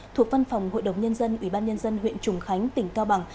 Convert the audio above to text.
thuộc văn phòng hội đồng nhân dân ủy ban nhân dân huyện trùng khánh tỉnh cao bằng